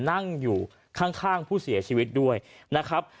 นั่งอยู่ข้างผู้เสียชีวิตด้วยนะครับ